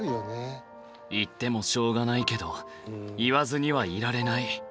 言ってもしょうがないけど言わずにはいられない。